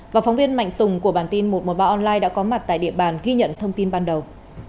và phóng viên mạnh tùng của bản tin một trăm một mươi ba online đã có mặt tại địa bàn ghi nhận thông tin ban đầu